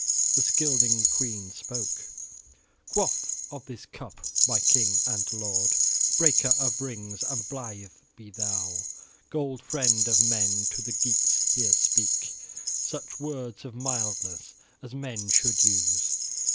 The Scylding queen spoke: "Quaff of this cup, my king and lord, breaker of rings, and blithe be thou, gold friend of men; to the Geats here speak such words of mildness as man should use.